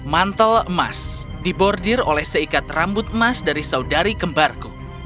mantel emas dibordir oleh seikat rambut emas dari saudari kembarku